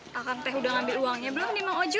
pakang teh udah ngambil uangnya belum nih mang ojo